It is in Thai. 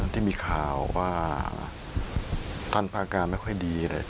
ที่มีข่าวว่าสรรพากรไม่ค่อยดีครับ